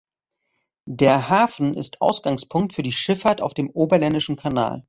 Der Hafen ist Ausgangspunkt für die Schifffahrt auf dem Oberländischen Kanal.